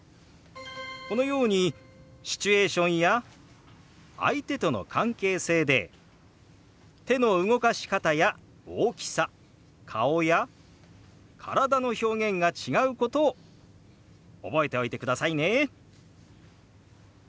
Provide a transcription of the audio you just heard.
このようにシチュエーションや相手との関係性で手の動かし方や大きさ顔や体の表現が違うことを覚えておいてくださいね。